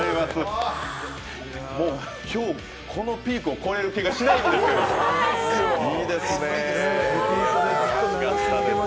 今日、このピークを超える気がしないんですけど、いいですね！